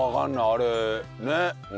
あれねっ。